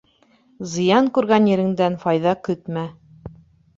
Зыян күргән ереңдән файҙа көтмә.